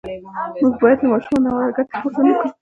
موږ باید له ماشومانو ناوړه ګټه پورته نه کړو.